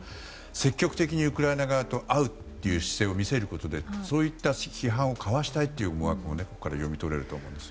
積極的にウクライナ側と会うという姿勢を見せることでそういった批判をかわしたい思惑もここから読み取れると思います。